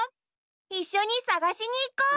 いっしょにさがしにいこう。